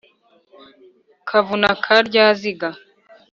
kavuna ka ryaziga